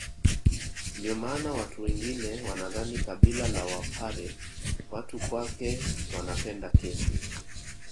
Ndio maana watu wengine wanadhani kabila la wapare watu kwake wanapenda kesi